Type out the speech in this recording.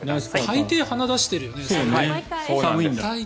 大抵、鼻出してるよね。